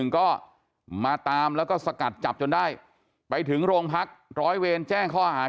ก็มาตามแล้วก็สกัดจับจนได้ไปถึงโรงพักร้อยเวรแจ้งข้อหา